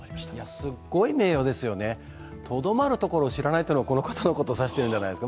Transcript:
すっごい名誉ですよね、とどまることを知らないというのはこのことを指してるんじゃないか。